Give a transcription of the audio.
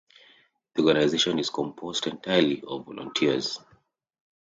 The Organization is composed entirely of volunteers.